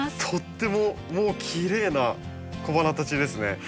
とってももうきれいな小花たちですね。